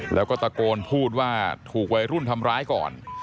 แล้วก็ตะโกนพูดว่าถูกวัยรุ่นทำร้ายก่อน